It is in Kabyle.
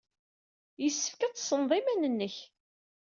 Yessefk ad tessned iman-nnek.